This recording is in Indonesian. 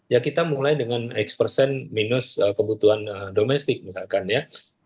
ya kita mulai dengan expersent minus kebutuhan domestik misalkan ya